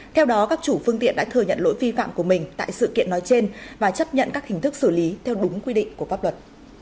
theo đó các chủ phương tiện đã thừa nhận lỗi vi phạm của mình tại sự kiện nói trên và chấp nhận các hình thức xử lý theo đúng quy định của pháp luật